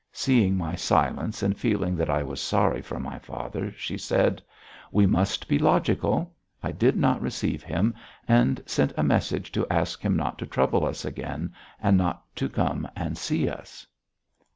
Seeing my silence and feeling that I was sorry for my father, she said: "We must be logical. I did not receive him and sent a message to ask him not to trouble us again and not to come and see us."